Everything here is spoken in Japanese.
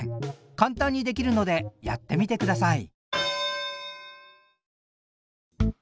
簡単にできるのでやってみてください！